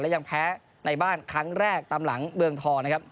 ยังแพ้ในบ้านครั้งแรกตามหลังเมืองทองนะครับ